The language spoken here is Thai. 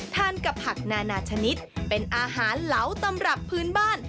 ทานกับผักนานาชนิดเป็นอาหารเหลาตำรับพื้นบ้าน